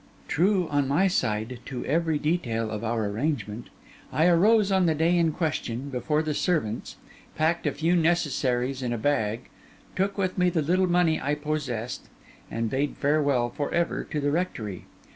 True, on my side, to every detail of our arrangement, I arose, on the day in question, before the servants, packed a few necessaries in a bag, took with me the little money I possessed, and bade farewell for ever to the rectory.